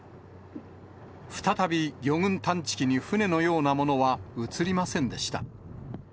再び魚群探知機に船のようなものは映りませんでした。